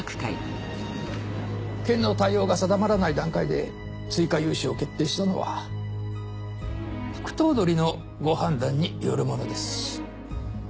県の対応が定まらない段階で追加融資を決定したのは副頭取のご判断によるものです。